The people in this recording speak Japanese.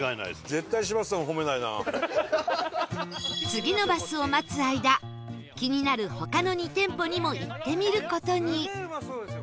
次のバスを待つ間気になる他の２店舗にも行ってみる事に